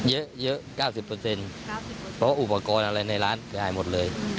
เยอะเยอะเก้าสิบเปอร์เซ็นต์เก้าสิบเปอร์เซ็นต์เพราะอุปกรณ์อะไรในร้านเสียหายหมดเลย